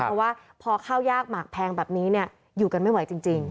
เพราะว่าพอข้าวยากหมากแพงแบบนี้อยู่กันไม่ไหวจริง